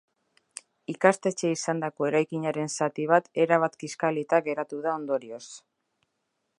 Ikastetxe izandako erakinaren zati bat erabat kiskalita geratu da ondorioz.